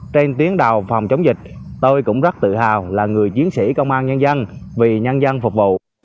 trên tiếng đầu phòng chống dịch tôi cũng rất tự hào là người chiến sĩ công an nhân dân vì nhân dân phục vụ